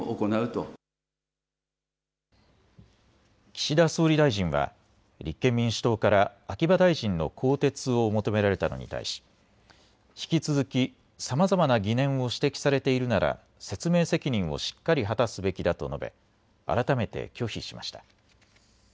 岸田総理大臣は立憲民主党から秋葉大臣の更迭を求められたのに対し引き続き、さまざまな疑念を指摘されているなら説明責任をしっかり果たすべきだと述べ改めて拒否しました。